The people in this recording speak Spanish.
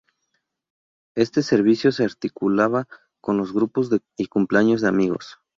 Este servicio se articulaba con los grupos y cumpleaños de amigos.